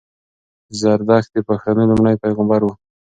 زردښت د پښتنو لومړی پېغمبر وو